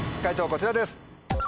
こちらです。